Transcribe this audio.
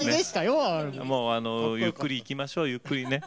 ゆっくりいきましょう、ゆっくり。